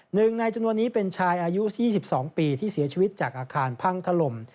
หนึ่งในจำนวนนี้เป็นชายอายุ๒๒ปีที่เสียชีวิตจากอาคารพังถล่ม